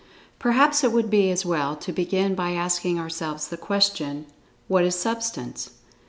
Perhaps it would be as well to begin by asking ourselves the question: "What is Substance?"